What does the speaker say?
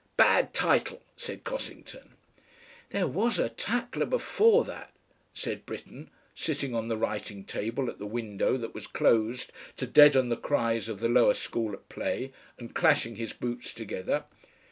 "Bad title," said Cossington. "There was a TATLER before that," said Britten, sitting on the writing table at the window that was closed to deaden the cries of the Lower School at play, and clashing his boots together.